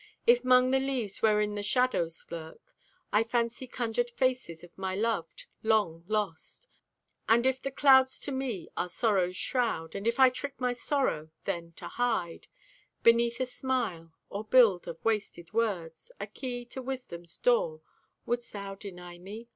If 'mong the leaves wherein the shadows lurk I fancy conjured faces of my loved, long lost; And if the clouds to me are sorrow's shroud; And if I trick my sorrow, then, to hide Beneath a smile; or build of wasted words A key to wisdom's door—wouldst thou deny me?